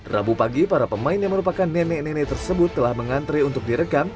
rabu pagi para pemain yang merupakan nenek nenek tersebut telah mengantre untuk direkam